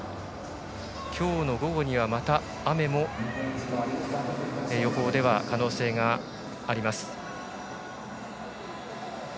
今日の午後にはまた雨も予報では可能性があります。